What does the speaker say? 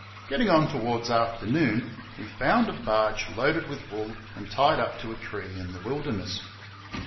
Getting on towards afternoon we found a barge loaded with wool and tied up to a tree in the wilder ness.